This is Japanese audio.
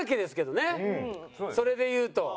それで言うと。